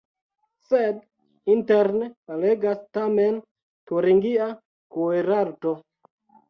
Sed interne regas tamen turingia kuirarto.